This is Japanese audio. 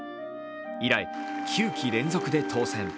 以来９期連続で当選。